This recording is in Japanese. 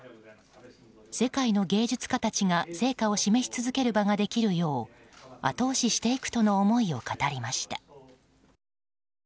世界の芸術家たちが成果を示し続ける場ができるよう後押ししていくとの思いを語りました。